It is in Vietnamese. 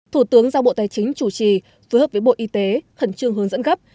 thủ tướng giao bộ tài chính chủ trì với hợp với bộ y tế hẳn trương hướng dẫn gấp